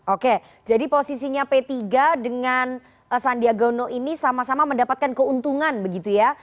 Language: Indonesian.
oke jadi posisinya p tiga dengan sandiaga uno ini sama sama mendapatkan keuntungan begitu ya